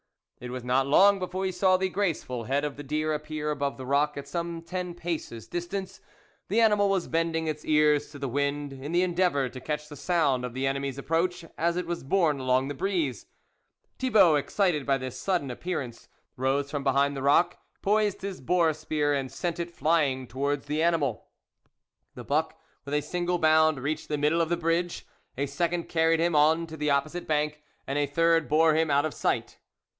It was not long before he saw |he grace ful head of the deer appear above the rock at some ten paces' distance; the animal was bending its ears to the wind, in the endeavour to catch the sound of the enemy's approach as it was borne along the breeze. Thibault, excited by this sudden appearance, rose from behind the rock, poised his boar spear and sent it flying towards the animal. The buck, with a single bound, reached the middle of the bridge, a second carried him on to the opposite bank, and a third bore him out of sight.